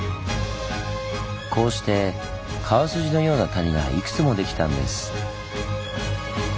こうして川筋のような谷がいくつもできたんです。